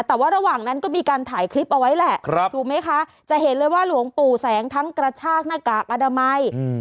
แต่ว่าระหว่างนั้นก็มีการถ่ายคลิปเอาไว้แหละถูกไหมคะจะเห็นเลยว่าหลวงปู่แสงทั้งกระชากหน้ากากอนามัย